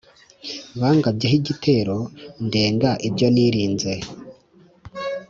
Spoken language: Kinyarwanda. Bangabyeho igitero Ndenga ibyo nirinze